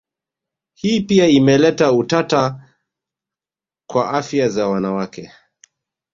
Hii pia imeleta utata kwa afya za wanawakwe